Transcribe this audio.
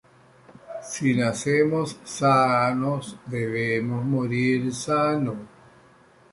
Creció en Le Havre.